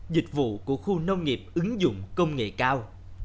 dịch vụ của khu nông nghiệp ứng dụng công nghệ cao